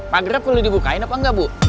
pagreb perlu dibukain apa enggak bu